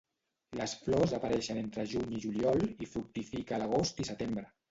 Les flors apareixen entre juny i juliol i fructifica a l'agost i setembre.